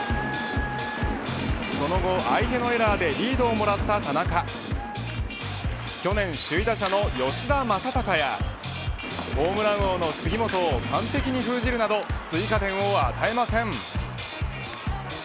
その後、相手のエラーでリードをもらった田中去年、首位打者の吉田正尚やホームラン王の杉本を完璧に封じるなど追加点を与えません。